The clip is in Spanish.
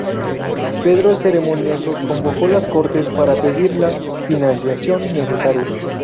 Pedro el Ceremonioso convocó las Cortes para pedir la financiación necesaria.